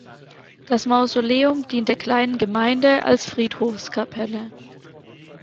Das Mausoleum dient der kleinen Gemeinde als Friedhofskapelle.